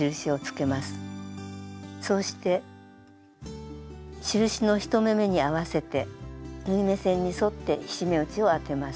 そうして印の１目めに合わせて縫い目線に沿って菱目打ちを当てます。